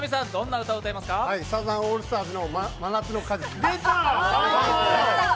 サザンオールスターズの「真夏の果実」です。